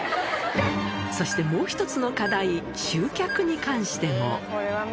そしてもう１つの課題、集客に関しても。